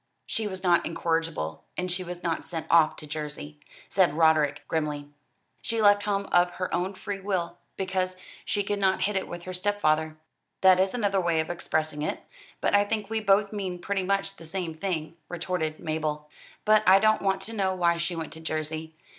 "She was not incorrigible, and she was not sent off to Jersey," said Roderick grimly. "She left home of her own free will; because she could not hit it with her stepfather." "That is another way of expressing it, but I think we both mean pretty much the same thing," retorted Mabel. "But I don't want to know why she went to Jersey.